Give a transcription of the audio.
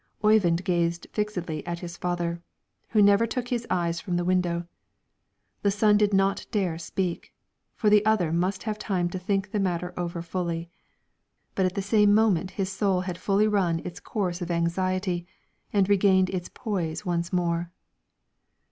Oyvind gazed fixedly at his father, who never took his eyes from the window; the son did not dare speak, for the other must have time to think the matter over fully. But at the same moment his soul had fully run its course of anxiety, and regained its poise once more.